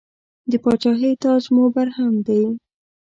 د پاچاهۍ تاج مو برهم دی.